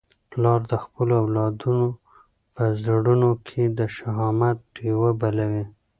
پلار د خپلو اولادونو په زړونو کي د شهامت ډېوه بلوي.